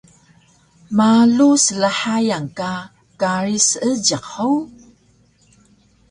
Malu slhayan ka kari Seejiq hug?